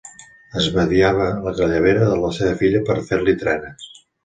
Esbadiava la cabellera de la seva filla per fer-li trenes.